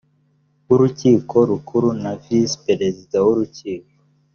w urukiko rukuru na visi perezida w urukiko